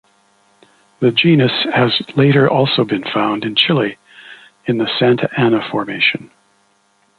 The genus has later also been found in Chile in the Santa Ana Formation.